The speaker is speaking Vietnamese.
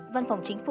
văn phòng chính phủ